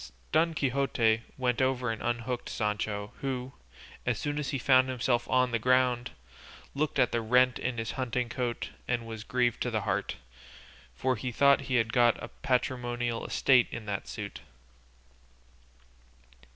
Don Quixote went over and unhooked Sancho, who, as soon as he found himself on the ground, looked at the rent in his huntingcoat and was grieved to the heart, for he thought he had got a patrimonial estate in that suit.